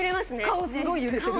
顔すごい揺れてる。